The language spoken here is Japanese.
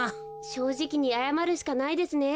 しょうじきにあやまるしかないですね。